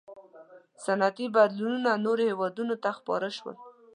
• صنعتي بدلونونه نورو هېوادونو ته خپاره شول.